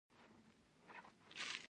باز تل اسمان ته ګوري